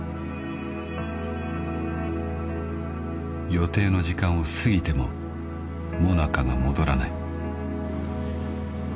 ［予定の時間を過ぎてもＭＯＮＡＣＡが戻らない］